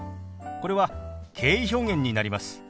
これは敬意表現になります。